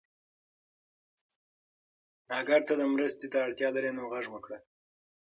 اگر ته مرستې ته اړتیا لرې نو غږ وکړه.